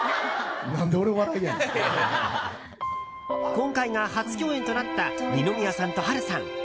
今回が初共演となった二宮さんと波瑠さん。